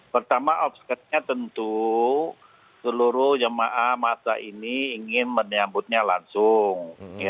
pertama obsetnya tentu seluruh jemaah masa ini ingin menyambutnya langsung